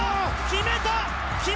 決めた！